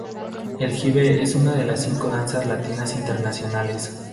El jive es una de las cinco danzas latinas internacionales.